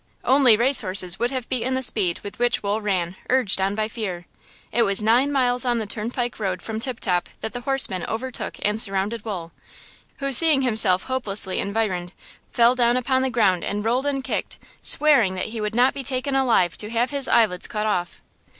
Only race horses would have beaten the speed with which Wool ran, urged on by fear. It was nine miles on the turnpike road from Tip Top that the horsemen overtook and surrounded Wool, who, seeing himself hopelessly environed, fell down upon the ground and rolled and kicked, swearing that he would not be taken alive to have his eyelids cut off!